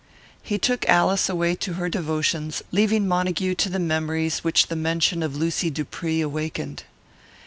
He took Alice away to her devotions, leaving Montague to the memories which the mention of Lucy Dupree awakened.